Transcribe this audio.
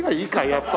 やっぱ。